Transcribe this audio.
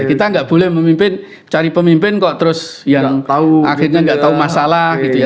kita nggak boleh memimpin cari pemimpin kok terus yang akhirnya nggak tahu masalah gitu ya